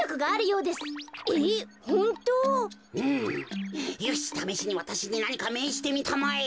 よしためしにわたしになにかめいじてみたまえ。